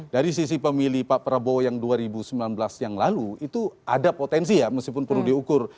dari sisi pemilih pak prabowo yang dua ribu sembilan belas yang lalu itu ada potensi ya meskipun perlu diukur